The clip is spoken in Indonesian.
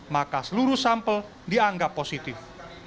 maka seluruh sampel dianggap positif